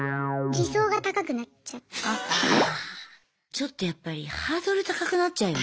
ちょっとやっぱりハードル高くなっちゃうよね。